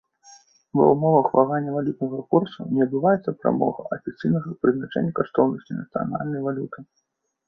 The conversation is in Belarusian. Ва ўмовах вагання валютнага курсу не адбываецца прамога афіцыйнага прызначэння каштоўнасці нацыянальнай валюты.